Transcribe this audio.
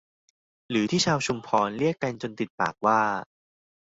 หรือที่ชาวชุมพรเรียกกันจนติดปากว่า